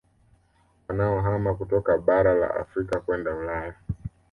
Wanaohama kutoka Bara la Afrika kwenda Ulaya